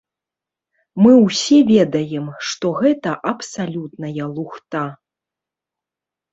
Мы ўсе ведаем, што гэта абсалютная лухта.